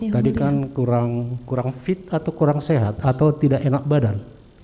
tadi kan kurang fit atau kurang sehat atau tidak enak badan